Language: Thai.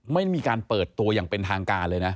ไม่มีการเปิดตัวอย่างเป็นทางการเลยนะ